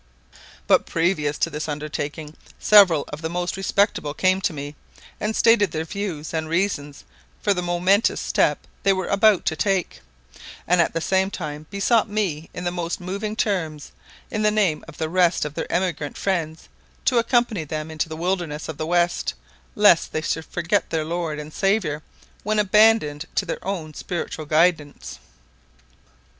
"But previous to this undertaking, several of the most respectable came to me, and stated their views and reasons for the momentous step they were about to take; and at the same time besought me in the most moving terms, in the name of the rest of their emigrant friends, to accompany them into the Wilderness of the West, lest they should forget their Lord and Saviour when abandoned to their own spiritual guidance.